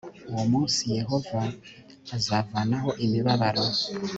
uwo munsi yehova azavanaho imibabaro